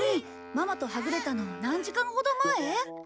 ママとはぐれたのは何時間ほど前？